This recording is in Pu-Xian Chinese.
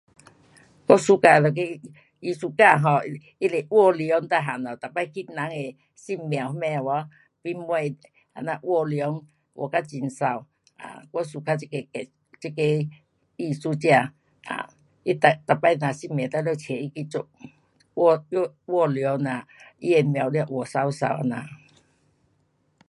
我 suka 一个艺术家 um 他是画龙每样的，每次去人的神庙什么有吗，这样画龙画到很美，um 我 suka 这个 um，这个艺术家。um 他每，每次若是神庙一定请他去做，画龙呐，他的庙全画美美这样。